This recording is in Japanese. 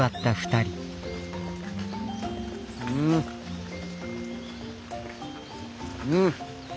うんうん！